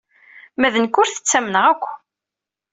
Ma d nekk ur t-ttamneɣ akk.